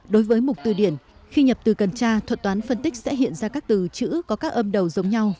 đối với mục từ điển khi nhập từ cần tra thuật toán phân tích sẽ hiện ra các từ chữ có các âm đầu giống nhau